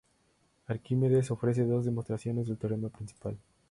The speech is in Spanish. Arquímedes ofrece dos demostraciones del teorema principal.